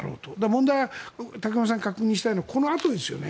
問題は武隈さんに確認したいのはこのあとですよね。